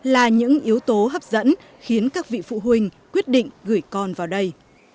là những yếu tố hấp dẫn khiến các vị phụ huynh quyết định gửi con vào đây